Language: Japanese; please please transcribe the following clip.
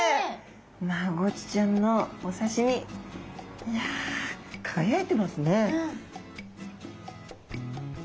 マゴチちゃんのお刺身いや輝いてますね。